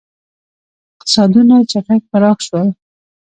• اقتصادونه چټک پراخ شول.